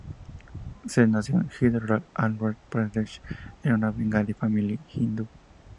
Sen nació en Hyderabad, Andhra Pradesh en una bengalí familia hindú.